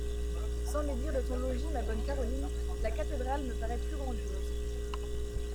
Sans médire de ton logis ma bonne Caroline, la cathédrale me paraît plus grandiose.